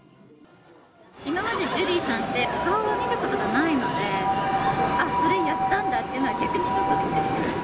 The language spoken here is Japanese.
今までジュリーさんって顔は見たことがないので、あっ、それやったんだっていうのは、逆にちょっとびっくりです。